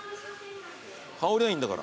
羽織りゃいいんだから。